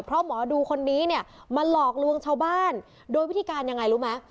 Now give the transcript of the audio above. เพราะหมอดูคนนี้เนี่ยมาหลอกลวงชาวบ้านโดยวิธีการยังไงรู้ไหม